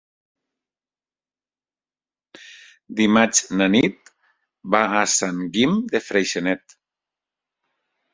Dimarts na Nit va a Sant Guim de Freixenet.